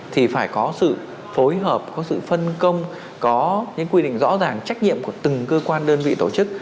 thì phải có sự phối hợp có sự phân công có những quy định rõ ràng trách nhiệm của từng cơ quan đơn vị tổ chức